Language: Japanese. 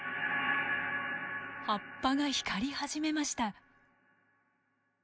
葉っぱが光り始めました。